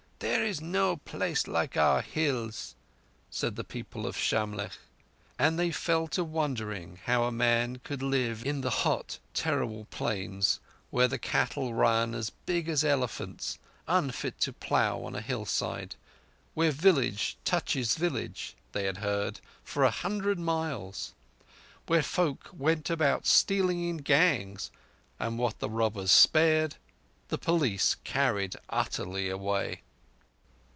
There is no place like our Hills," said the people of Shamlegh. And they fell to wondering how a man could live in the hot terrible Plains where the cattle run as big as elephants, unfit to plough on a hillside; where village touches village, they had heard, for a hundred miles; where folk went about stealing in gangs, and what the robbers spared the Police carried utterly away.